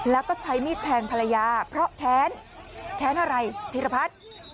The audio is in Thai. แล้วก็ใช้มีดแทงภรรยาเพราะแค้นแค้นอะไรธีรพัฒน์